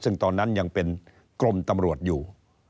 ซึ่งตอนนั้นยังเป็นกรมตำรวจอยู่